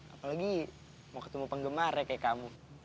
apalagi mau ketemu penggemarnya kayak kamu